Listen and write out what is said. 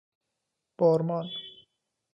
بارمان